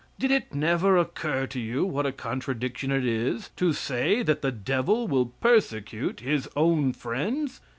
Did it never occur to you what a contradiction it is to say that the devil will persecute his own friends?